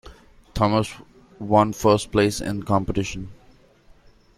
Thomas one first place in the competition.